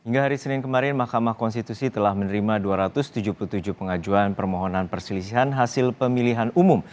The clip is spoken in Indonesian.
hingga hari senin kemarin mahkamah konstitusi telah menerima dua ratus tujuh puluh tujuh pengajuan permohonan perselisihan hasil pemilihan umum